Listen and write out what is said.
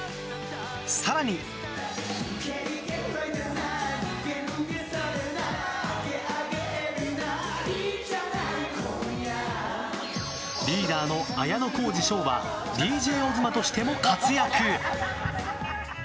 更に、リーダーの綾小路翔はＤＪＯＺＭＡとしても活躍。